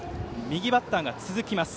右バッターが続きます。